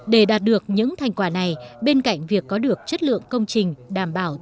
để đạt được những thành quả này bên cạnh việc có được chất lượng công trình đảm bảo